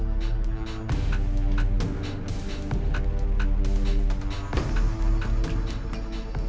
ini ada sesuatu yang bisa dikonsentrasi sama kesehatan lo